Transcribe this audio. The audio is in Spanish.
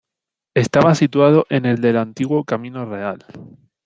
Estaba situado en el del Antiguo "Camino Real".